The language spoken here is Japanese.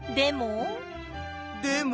でも。